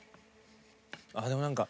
あっでも何か。